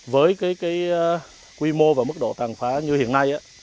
với cái quy mô và mức độ tàn phá như hiện nay